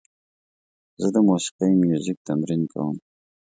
زه د موسیقۍ میوزیک تمرین کوم.